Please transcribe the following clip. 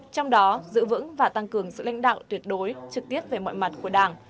trong đó giữ vững và tăng cường sự lãnh đạo tuyệt đối trực tiếp về mọi mặt của đảng